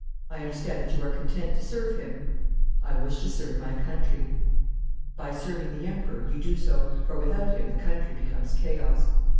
I understand that you are content to serve him?' 'I wish to serve my country.' 'By serving the Emperor you do so, for without him the country becomes chaos.'